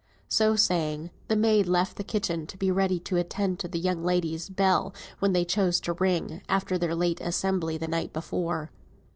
So saying, the maid left the kitchen to be ready to attend to the young ladies' bell when they chose to ring, after their late assembly the night before.